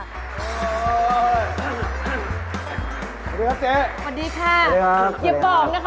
สวัสดีครับเจ๊สวัสดีครับสวัสดีครับสวัสดีครับ